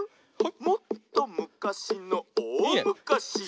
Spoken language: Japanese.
「もっとむかしのおおむかし」